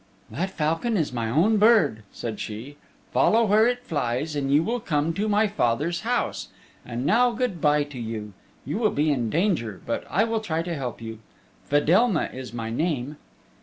"That falcon is my own bird," said she. "Follow where it flies and you will come to my father's house. And now good by to you. You will be in danger, but I will try to help you. Fedelma is my name."